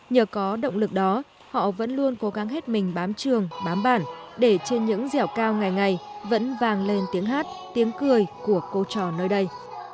nhờ có động lực đó họ vẫn luôn cố gắng hết mình bám trường bám bản để trên những dẻo cao ngày ngày vẫn vàng lên tiếng hát tiếng cười của cô trò nơi đây